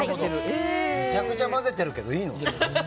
めちゃくちゃ混ぜてるけどいいの？